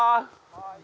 はい。